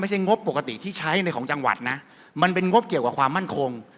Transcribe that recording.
งบปกติที่ใช้ในของจังหวัดนะมันเป็นงบเกี่ยวกับความมั่นคง